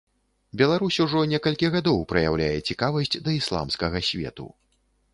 Беларусь ужо некалькі гадоў праяўляе цікавасць да ісламскага свету.